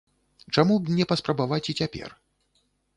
Чаму б не паспрабаваць і цяпер?